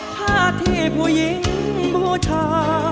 ภาพที่ผู้หญิงบูชา